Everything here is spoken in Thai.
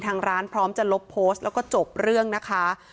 ทางร้านพร้อมจะลบโพสต์แล้วก็จบเรื่องนะคะ